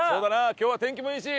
今日は天気もいいし。